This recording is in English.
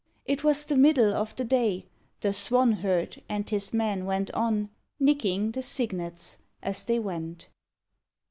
It was the middle of the day, The "Swanherd" and his men went on, "Nicking" the cygnets as they went.